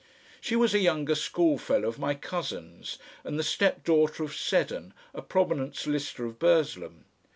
She was a younger schoolfellow of my cousins', and the step daughter of Seddon, a prominent solicitor of Burslem.